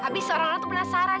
tapi seorang anak tuh penasaran